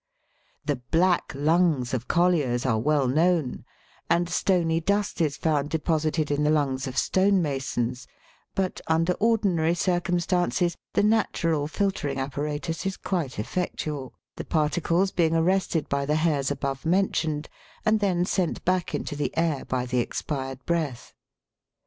The "black lungs" of colliers are well known, and stony dust is found deposited in the lungs of stone masons, but, under ordinary circumstances, the natural filtering apparatus is quite effectual, the particles being arrested by the hairs above mentioned and then sent back into the air by the expired breath.